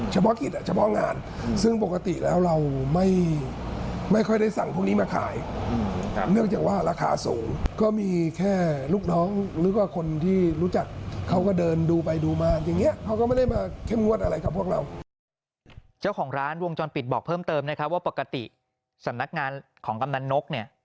เจ้าของร้านวงจรปิดบอกเพิ่มเติมนะครับว่าปกติสำนักงานของกำนันนกเนี่ย